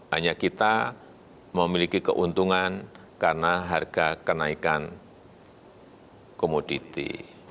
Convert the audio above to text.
hanya kita memiliki keuntungan karena harga kenaikan komoditi